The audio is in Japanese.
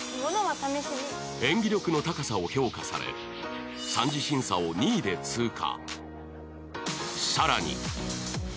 演技力の高さを評価され、３次審査を２位で通過。